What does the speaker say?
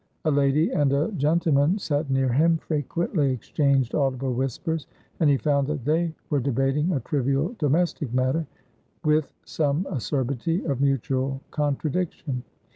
A lady and a gentleman sat near him, frequently exchanged audible whispers, and he found that they were debating a trivial domestic matter, with some acerbity of mutual contradiction.